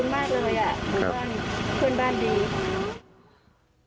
ก็ขอบคุณมากเลยเพื่อนบ้านดี